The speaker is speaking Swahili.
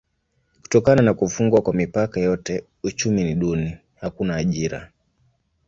Kutokana na kufungwa kwa mipaka yote uchumi ni duni: hakuna ajira.